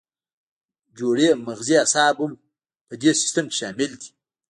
جوړې مغزي اعصاب هم په دې سیستم کې شامل دي.